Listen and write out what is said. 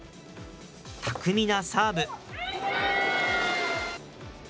巧みなサーブ。